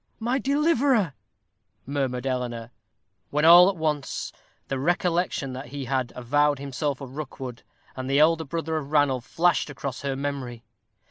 "My deliverer!" murmured Eleanor; when all at once the recollection that he had avowed himself a Rookwood, and the elder brother of Ranulph, flashed across her memory.